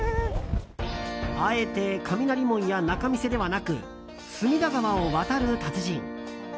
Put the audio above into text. あえて雷門や仲見世ではなく隅田川を渡る達人。